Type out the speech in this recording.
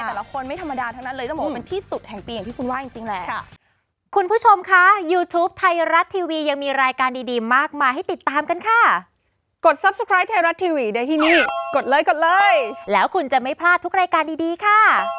แต่ละคนไม่ธรรมดาทั้งนั้นเลยจะบอกว่าเป็นที่สุดแห่งปีอย่างที่คุณว่าจริงแหละ